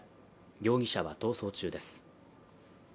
容疑者は逃走中です。